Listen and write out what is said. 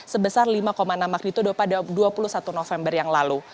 sebesar lima enam magnitudo pada dua puluh satu november yang lalu